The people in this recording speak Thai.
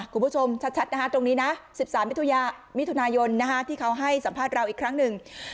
คุณผู้ชมชัดนะฮะตรงนี้นะ๑๓มิถุนายนที่เขาให้สัมภาษณ์เราอีกครั้งหนึ่ง